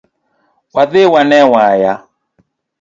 Wadhi wane waya